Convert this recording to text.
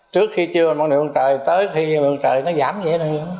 trước khi chưa bằng điện năng lượng trời tới khi năng lượng trời nó giảm dễ